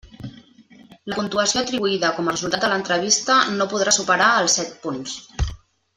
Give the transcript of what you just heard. La puntuació atribuïda com a resultat de l'entrevista no podrà superar els set punts.